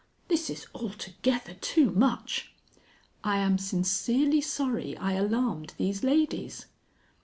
"This is altogether too much!" "I am sincerely sorry I alarmed these ladies."